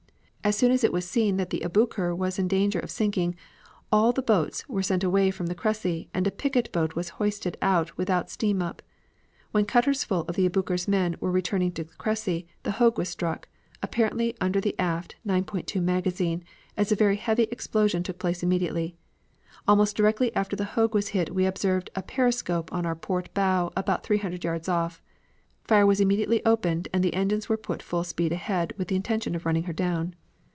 As soon as it was seen that the Aboukir was in danger of sinking, all the boats were sent away from the Cressy, and a picket boat was hoisted out without steam up. When cutters full of the Aboukir's men were returning to the Cressy, the Hogue was struck, apparently under the aft 9.2 magazine, as a very heavy explosion took place immediately. Almost directly after the Hogue was hit we observed a periscope on our port bow about three hundred yards off. Fire was immediately opened, and the engines were put full speed ahead with the intention of running her down.